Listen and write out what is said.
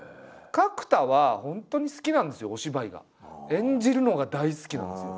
演じるのが大好きなんですよ。